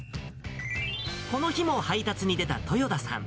この日も配達に出た豊田さん。